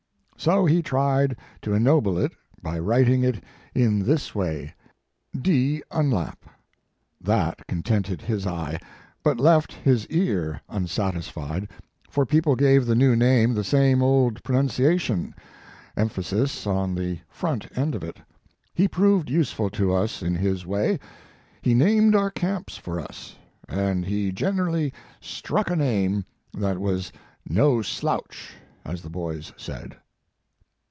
So he tried to ennoble it by writing it in this way: d* Unlap. That contented his eye, but left his ear unsatisfied, for people gave the new name the same old pro nunciation emphasis on the front end of it. He proved useful to us in his way; he named our camps for us, and he gen erally struck a name that was no slouch/ as the boys said.